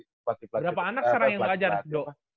berapa anak sekarang yang ngelajar jo